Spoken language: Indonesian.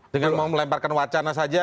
dengan mau melemparkan wacana saja